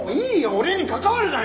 俺に関わるなよ！